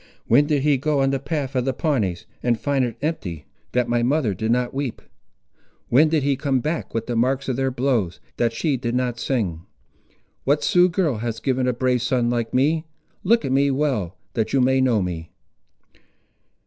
When did he go on the path of the Pawnees and find it empty, that my mother did not weep? When did he come back with the marks of their blows, that she did not sing? What Sioux girl has given a brave a son like me? Look at me well, that you may know me.